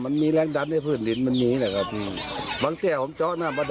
มันละลายน้อยเนี้ยมันไม่ไปไกลครับ